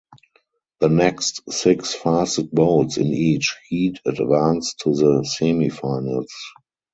The next six fastest boats in each heat advanced to the semifinals.